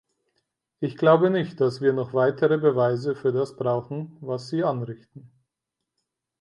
Ich glaube nicht, dass wir noch weitere Beweise für das brauchen, was sie anrichten.